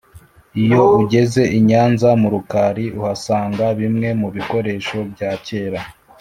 Iyo ugeze inyanza murukari uhasanga bimwe mubikoresho byakera